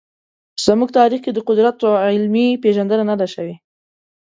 زموږ تاریخ کې د قدرت علمي پېژندنه نه ده شوې.